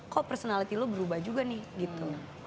kok personality lo berubah juga nih gitu